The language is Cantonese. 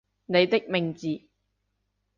你的名字